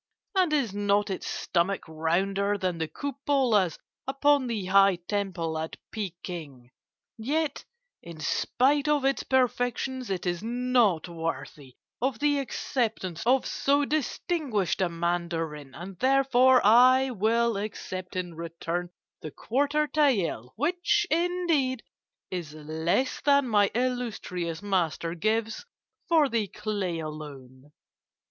and is not its stomach rounder than the cupolas upon the high temple at Peking? Yet, in spite of its perfections, it is not worthy of the acceptance of so distinguished a Mandarin, and therefore I will accept in return the quarter tael, which, indeed, is less than my illustrious master gives for the clay alone.